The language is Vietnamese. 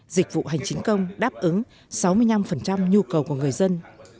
dịch vụ hành chính công đáp ứng sáu mươi năm nhu cầu của người dân